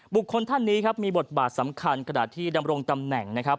ท่านนี้ครับมีบทบาทสำคัญกระดาษที่ดำรงตำแหน่งนะครับ